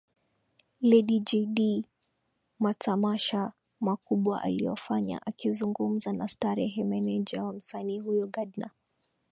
Lady Jay Dee Matamasha makubwa aliyofanya Akizungumza na Starehe meneja wa msanii huyo Gadna